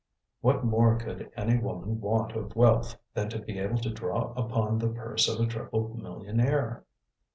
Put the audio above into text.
What more could any woman want of wealth, than to be able to draw upon the purse of a triple millionaire?